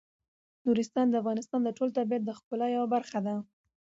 نورستان د افغانستان د ټول طبیعت د ښکلا یوه برخه ده.